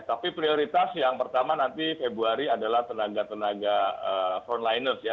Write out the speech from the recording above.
tapi prioritas yang pertama nanti februari adalah tenaga tenaga frontliners ya